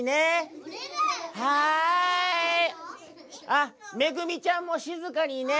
「あめぐみちゃんもしずかにね」。